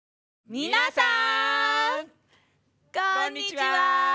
みなさんこんにちは。